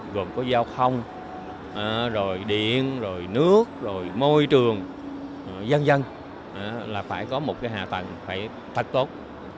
gồm có giao không rồi điện rồi nước rồi môi trường dân dân là phải có một cái hạ tầng phải thật tốt